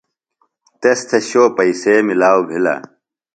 تس تھےۡ شو پیئسے ملاؤ بِھلہ۔